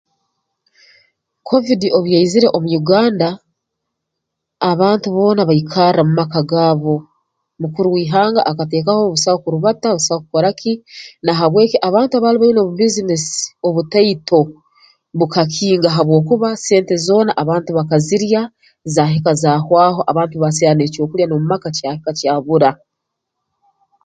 Kovidi obu yaizire omu Uganda abantu boona baikarra mu maka agaabo mukuru w'ihanga akateekaho busaho kurubata busaho kukora ki na habw'eki abantu abaali baine obu bbiizinesi obutaito bukakinga habwokuba sente zoona abantu bakazirya zaahika zaahwaho abantu baaserra n'ekyokulya n'omu maka kyahika kyabura